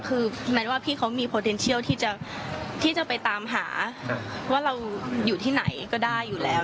คือแนนว่าพี่เขามีโปรเดนเชียลที่จะไปตามหาว่าเราอยู่ที่ไหนก็ได้อยู่แล้ว